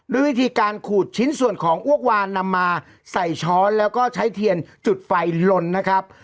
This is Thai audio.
ด้วยวิธีการขูดชิ้นส่วนของอ้วกวานนำมาใส่ช้อนแล้วก็ใช้เทียนจุดไฟลนนะครับ